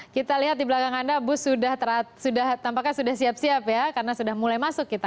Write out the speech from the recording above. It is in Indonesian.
kita lihat di belakang anda bus tampaknya sudah siap siap ya karena sudah mulai masuk kita